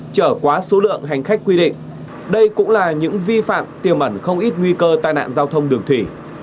trở quá số lượng hành khách quy định đây cũng là những vi phạm tiềm ẩn không ít nguy cơ tai nạn giao thông đường thủy